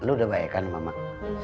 sir lo udah baikan sama emak